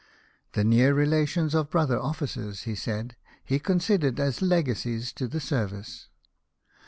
" The near relations of brother officers," he said, "he considered as legacies to the service."